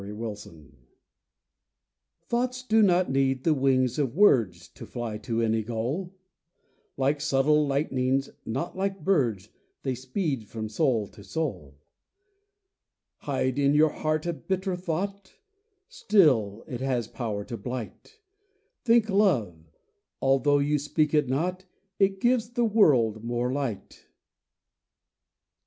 THOUGHTS Thoughts do not need the wings of words To fly to any goal. Like subtle lightnings, not like birds, They speed from soul to soul. Hide in your heart a bitter thought— Still it has power to blight; Think Love—although you speak it not It gives the world more light.